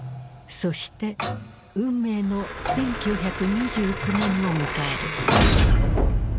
そして運命の１９２９年を迎える。